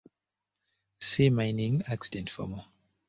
See mining accident for more.